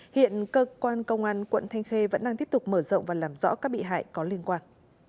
hiện cơ quan công an quận thanh khê vẫn đang tiếp tục mở rộng và làm rõ các bị hại có liên quan